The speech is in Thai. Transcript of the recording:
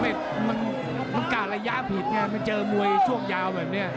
มันกะระยะผิดเธออ่ะแง่เขามันเจอมวยมันไว้ช่วงเยาว์แบบเนี้ย